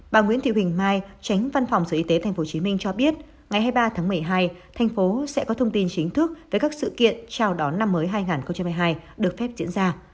bà nguyễn thị huỳnh mai tránh văn phòng sở y tế tp hcm cho biết ngày hai mươi ba tháng một mươi hai thành phố sẽ có thông tin chính thức về các sự kiện chào đón năm mới hai nghìn hai mươi hai được phép diễn ra